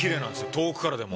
遠くからでも。